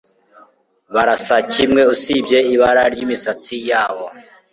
Barasa kimwe usibye ibara ryimisatsi yabo